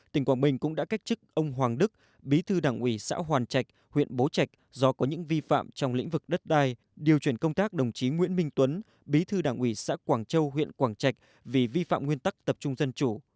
tỉnh quảng bình cũng đã cách chức ông hoàng đức bí thư đảng ủy xã hoàn trạch huyện bố trạch do có những vi phạm trong lĩnh vực đất đai điều chuyển công tác đồng chí nguyễn minh tuấn bí thư đảng ủy xã quảng châu huyện quảng trạch vì vi phạm nguyên tắc tập trung dân chủ